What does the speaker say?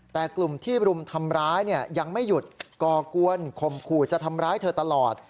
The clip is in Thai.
แต่กลุ่มที่รุมทำร้ายเนี่ยยังไม่หยุดก่อกวนข่มขู่จะทำร้ายเธอตลอด